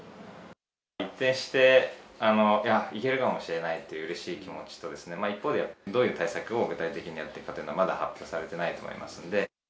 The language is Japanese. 一転して、いや、行けるかもしれないといううれしい気持ちと、一方で、どういう対策を具体的にやっていくかというのはまだ発表されてないと思いま